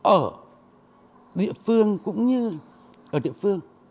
ở địa phương cũng như ở địa phương